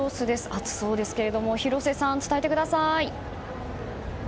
暑そうですが広瀬さん、伝えてください。